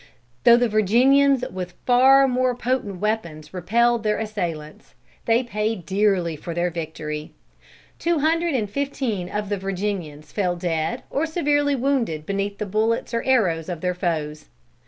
Though the Virginians with far more potent weapons repelled their assailants, they paid dearly for their victory. Two hundred and fifteen of the Virginians fell dead or severely wounded beneath the bullets or arrows of their foes.